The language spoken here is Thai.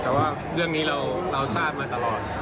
แต่ว่าเรื่องนี้เราทราบมาตลอด